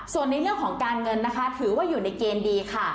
ส่วนในเรื่องของการเงินนะคะถือว่าอยู่ในเกณฑ์ดีค่ะ